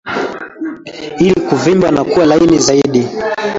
Ini kuvimba na kuwa laini zaidi